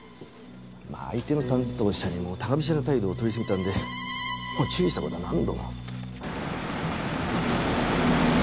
相手の担当者にも高飛車な態度を取りすぎたんで注意した事は何度も。